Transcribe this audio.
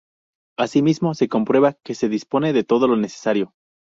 Asimismo, se comprueba que se dispone de todo lo necesario.